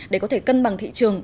để có thể cân bằng thị trường